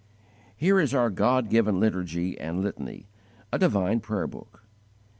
Here is our God given liturgy and litany a divine prayer book.